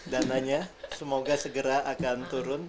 dananya semoga segera akan turun